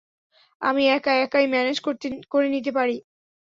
আমি একা একাই ম্যানেজ করে নিতে পারি।